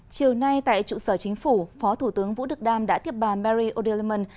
chiều nay tại trụ sở chính phủ phó thủ tướng vũ đức đam đã tiếp bà mary o delliman